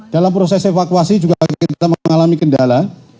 dalam proses evakuasi juga kita mengalami kendala